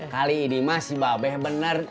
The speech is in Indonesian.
kali ini masih babeh benar